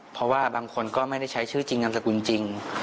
เพราะว่าบางคนก็ไม่ได้ใช้ชื่อจริงนามสกุลจริง